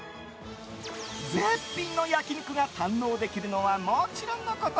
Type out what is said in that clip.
絶品の焼き肉が堪能できるのはもちろんのこと